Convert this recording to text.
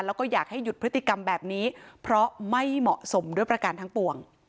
แล้วก็อยากให้หยุดพฤติกรรมแบบนี้เพราะไม่เหมาะสมด้วยประการทั้งปวง